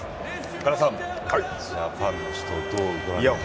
岡田さん、ジャパンの死闘どうご覧になりました？